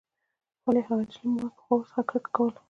ولې هغه نجلۍ چې ما پخوا ورڅخه کرکه کوله.